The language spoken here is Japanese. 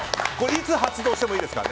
いつ発動してもいいですから。